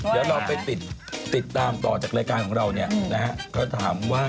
เดี๋ยวเราไปติดตามต่อจากรายการของเราเนี่ยนะฮะก็ถามว่า